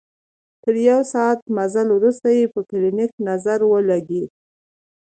تر يو ساعت مزله وروسته يې په کلينيک نظر ولګېد.